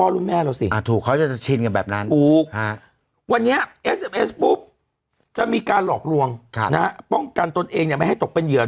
แล้วกันตนเองเนี่ยไม่ให้ตกเป็นเหยื่อ